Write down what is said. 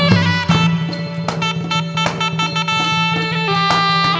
กลับไปด้วย